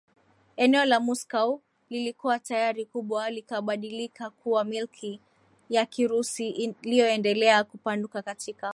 eneo la Moscow lilikuwa tayari kubwa likabadilika kuwa Milki ya Kirusi iliyoendelea kupanuka katika